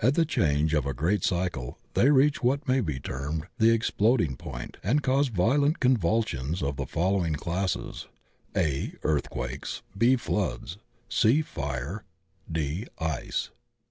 At the change of a great cycle they reach what may be termed the exploding point and cause violent convulsions of the following classes, (a) Earthquakes, (b) Floods, (c) Fire, (d) Ice.